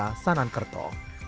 di desa sanankerto